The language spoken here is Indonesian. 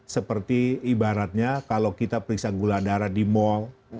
seperti ibaratnya kalau kita periksa gula darah di mall